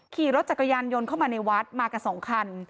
ขี่รถจักรยานยนต์เข้ามาในวัดมากับสองคัน